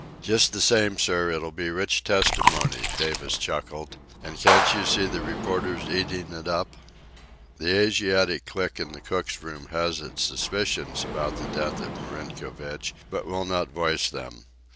"Just the same, sir, it'll be rich testimony," Davis chuckled. "An' can't you see the reporters eatin' it up?" The Asiatic clique in the cook's room has its suspicions about the death of Marinkovich, but will not voice them.